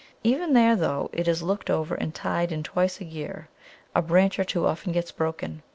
Even there, though it is looked over and tied in twice a year, a branch or two often gets broken.